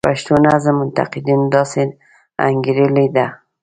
پښتو نظم منتقدینو داسې انګیرلې ده.